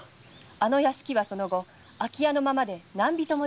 あの屋敷はその後空き家のまま何人も出入りしておりません。